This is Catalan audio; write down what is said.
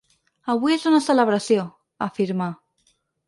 Avui és una celebració, afirma.